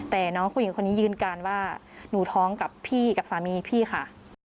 แต่น้องผู้หญิงคนนี้ยืนการว่าหนูท้องกับพี่กับสามีพี่ค่ะ